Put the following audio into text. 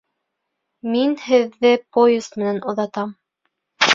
Мин һеҙҙе поезд менән оҙатам